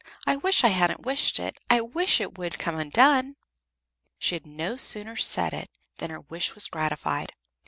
I wish I hadn't wished it. I wish it would come undone." She had no sooner said it than her wish was gratified.